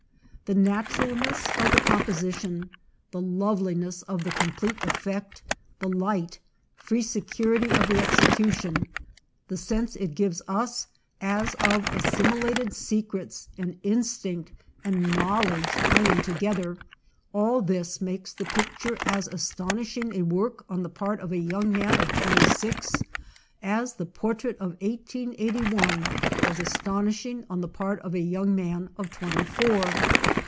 The naturalness of the com position, the loveliness of the complete effect, the light, free security of the exe cution, the sense it gives us as of assimi lated secrets and instinct and knowledge playing together â all this makes the pic ture as astonishing a work on the part of a young man of twenty six as the portrait of 1881 was astonishing on the part of a young man of twenty four.